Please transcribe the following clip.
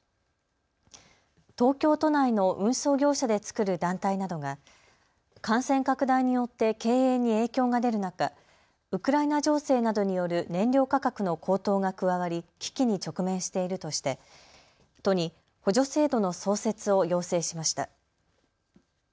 東京都内の運送業者で作る団体などが感染拡大によって経営に影響が出る中、ウクライナ情勢などによる燃料価格の高騰が加わり危機に直面しているとして都に補助制度の創設を要請しました。